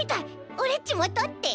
オレっちもとって。